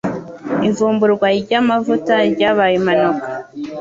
Ivumburwa ryamavuta ryabaye impanuka.